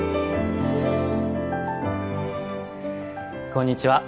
こんにちは。